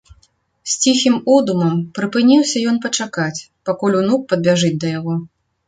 З ціхім одумам прыпыніўся ён пачакаць, пакуль унук падбяжыць да яго.